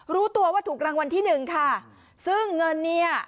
รู้ตัวว่าถูกรางวัลที่หนึ่งค่ะซึ่งเงินเนี่ย